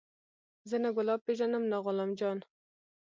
زه نه ګلاب پېژنم نه غلام جان.